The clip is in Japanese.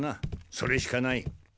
それしかない。